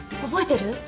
覚えてる？